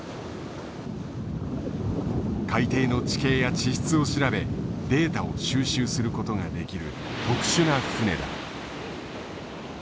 海底の地形や地質を調べデータを収集することができる特殊な船だ。